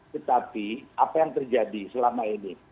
tetapi apa yang terjadi selama ini